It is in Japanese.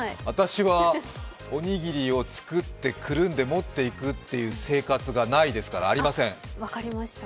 私はおにぎりを作ってくるんで持っていくという生活がないですから、ありません。